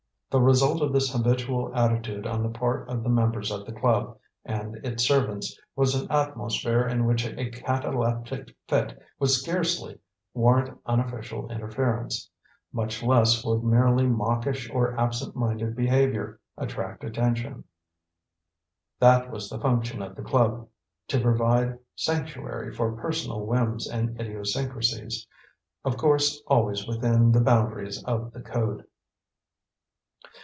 The result of this habitual attitude on the part of the members of the club and its servants was an atmosphere in which a cataleptic fit would scarcely warrant unofficial interference; much less would merely mawkish or absent minded behavior attract attention. That was the function of the club to provide sanctuary for personal whims and idiosyncrasies; of course, always within the boundaries of the code.